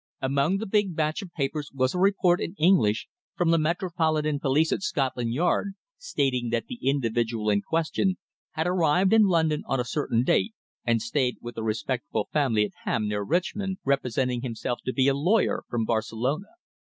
Among the big batch of papers was a report in English from the Metropolitan Police at Scotland Yard stating that the individual in question had arrived in London on a certain date, and stayed with a respectable family at Ham, near Richmond, representing himself to be a lawyer from Barcelona.